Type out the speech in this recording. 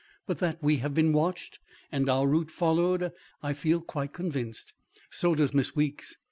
But that we have been watched and our route followed, I feel quite convinced. So does Miss Weeks.